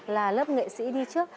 là lớp nghệ sĩ đi trước